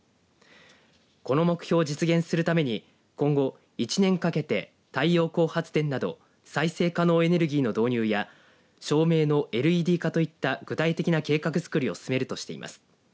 この目標を実現するために今後１年かけて太陽光発電など再生可能エネルギーの導入や照明のＬＥＤ化といった具体的な計画づくりを進めるとしています。